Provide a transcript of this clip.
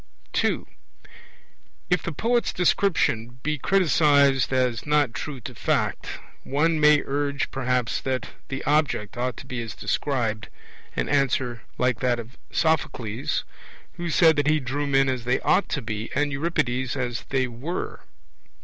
II. If the poet's description be criticized as not true to fact, one may urge perhaps that the object ought to be as described an answer like that of Sophocles, who said that he drew men as they ought to be, and Euripides as they were.